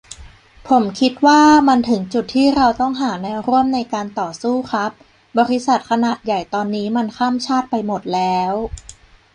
ผมคิดว่ามันถึงจุดที่ เราต้องหาแนวร่วมในการต่อสู้ครับ บริษัทขนาดใหญ่ตอนนี้มันข้ามชาติไปหมดแล้ว